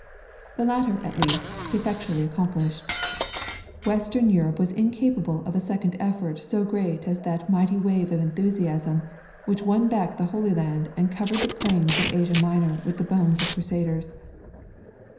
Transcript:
The latter at least, he effectually accomplished. Western Europe was incapable of a second effort so great as that mighty wave of enthusiasm which won back the Holy Land and covered the plains of Asia Minor with the bones of Crusaders.